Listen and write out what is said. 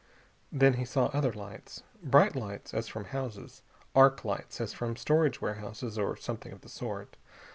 Then he saw other lights. Bright lights, as from houses. Arc lights as from storage warehouses, or something of the sort.